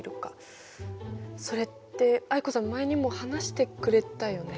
それって藍子さん前にも話してくれたよね。